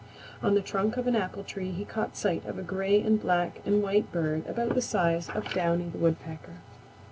On the trunk of an apple tree he caught sight of a gray and black and white bird about the size of Downy the Woodpecker.